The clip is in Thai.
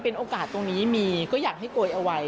ก็อยากให้เนื้อพยาบาทโปรด